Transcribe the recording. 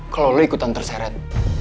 kalau lo ikutan terseret